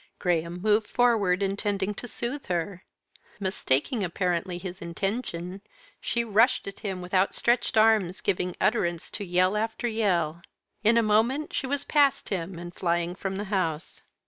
Graham moved forward, intending to soothe her. Mistaking, apparently, his intention, she rushed at him with outstretched arms, giving utterance to yell after yell. In a moment she was past him and flying from the house.